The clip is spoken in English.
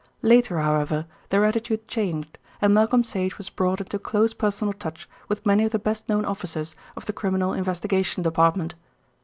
Later, however, their attitude changed, and Malcolm Sage was brought into close personal touch with many of the best known officers of the Criminal Investigation Department.